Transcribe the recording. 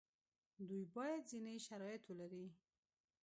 دوی باید ځینې شرایط ولري.